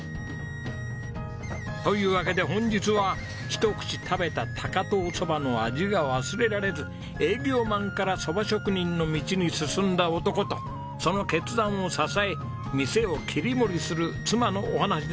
というわけで本日は一口食べた高遠そばの味が忘れられず営業マンから蕎麦職人の道に進んだ男とその決断を支え店を切り盛りする妻のお話でございます。